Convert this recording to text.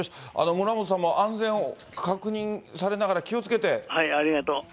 村元さんも安全を確認されながら、気をつけて。